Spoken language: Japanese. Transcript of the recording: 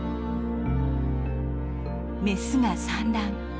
メスが産卵！